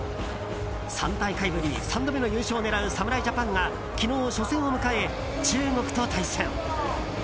３大会ぶり３度目の優勝を狙う侍ジャパンが昨日、初戦を迎え中国と対戦。